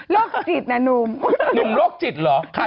ดูหนุ่มโรคจิต